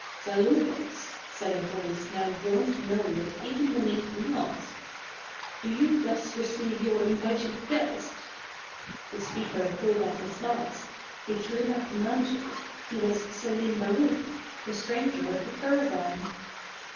" Zaleukos ! 99 said a voice now grown familiar even beneath the mask, " do you thus receive your invited guest ?" The speaker pulled off his mask ; he threw back the mantle ; he was Selim Baruch, the stranger of the caravan.